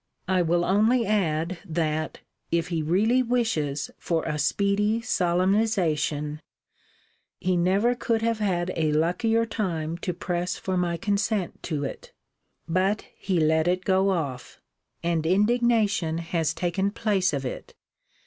I will only add, that, if he really wishes for a speedy solemnization, he never could have had a luckier time to press for my consent to it. But he let it go off; and indignation has taken place of it.